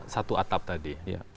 satu atap tadi